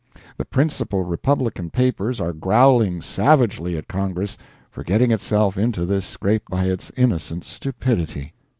The principal Republican papers are growling savagely at Congress for getting itself into this scrape by its innocent stupidity.